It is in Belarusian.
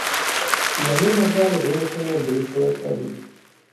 І яны, на жаль, вымушаныя былі тое зрабіць.